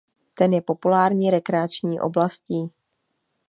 Ten je populární rekreační oblastí.